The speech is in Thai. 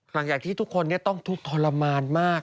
หลังจากที่ทุกคนต้องทุกข์ทรมานมาก